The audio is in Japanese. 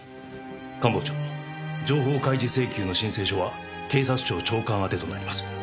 官房長情報開示請求の申請書は警察庁長官宛てとなります。